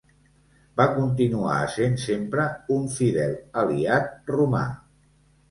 Va continuar essent sempre un fidel aliat romà.